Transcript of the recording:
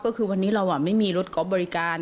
ก็คือวันนี้เราไม่มีรถก๊อฟบริการ